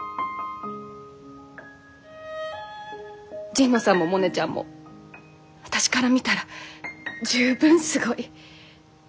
神野さんもモネちゃんも私から見たら十分すごい。